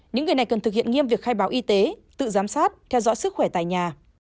những người này cần thực hiện nghiêm việc khai báo y tế tự giám sát theo dõi sức khỏe tại nhà